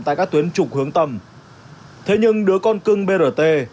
tại các tuyến trục hướng tầm thế nhưng đứa con cưng brt